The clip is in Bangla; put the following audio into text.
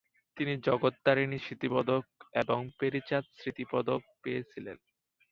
তিনি জগত্তারিনী স্মৃতি পদক এবং প্যারিচাঁদ স্মৃতি পদক পেয়েছিলেন।